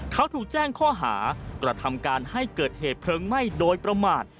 เขาถูกแจ้งข้อหากระทำการให้เกิดเหตุเพลิงไหม้โดยประมาท